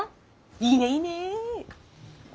いいねいいね。